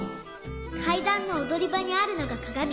かいだんのおどりばにあるのがかがみ。